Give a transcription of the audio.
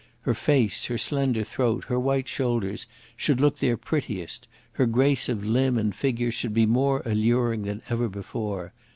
Her face, her slender throat, her white shoulders, should look their prettiest, her grace of limb and figure should be more alluring than ever before.